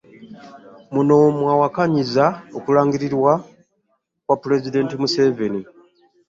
Muno mw'awakanyiza okulangirirwa kwa Pulezidenti Museveni